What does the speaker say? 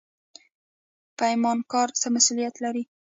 پیمانکار څه مسوولیت لري؟